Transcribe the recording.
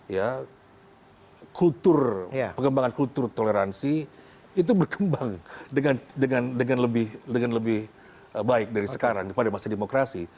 ya kultur pengembangan kultur toleransi itu berkembang dengan lebih baik dari sekarang pada masa demokrasi